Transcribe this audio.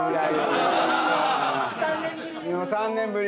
３年ぶり。